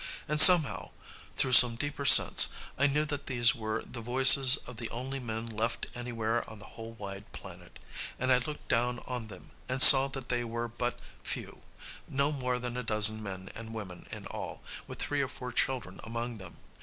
And somehow, through some deeper sense, I knew that these were the voices of the only men left anywhere on the whole wide planet. And I looked down on them, and saw that they were but few, no more than a dozen men and women in all, with three or four children among them.